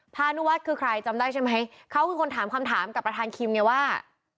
พานุวัฒน์คือใครจำได้ใช่ไหมเขาคือคนถามคำถามกับประธานคิมไงว่า